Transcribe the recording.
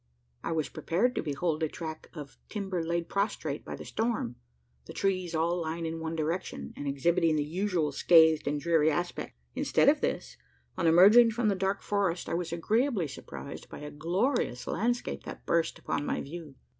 I was prepared to behold a tract of timber laid prostrate by the storm the trees all lying in one direction, and exhibiting the usual scathed and dreary aspect. Instead of this, on emerging from the dark forest, I was agreeably surprised by a glorious landscape that burst upon my view.